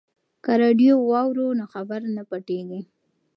که راډیو واورو نو خبر نه پټیږي.